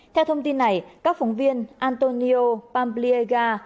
theo thông tin này các phóng viên antonio pambliega